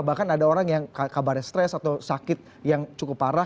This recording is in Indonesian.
bahkan ada orang yang kabarnya stres atau sakit yang cukup parah